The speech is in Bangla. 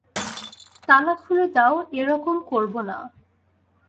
তালা খুলে দাও, এ রকম করব না।